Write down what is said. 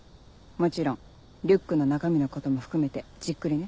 もちろんリュックの中身のことも含めてじっくりね。